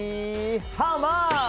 ハウマッチ！